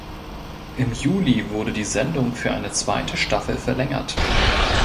Im Juli wurde die Sendung für eine zweite Staffel verlängert.